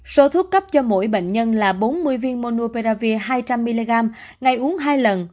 số thuốc cấp cho mỗi bệnh nhân là bốn mươi viên monopearavir hai trăm linh mg ngày uống hai lần